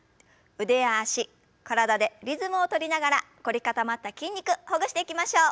腕や脚体でリズムを取りながら凝り固まった筋肉ほぐしていきましょう。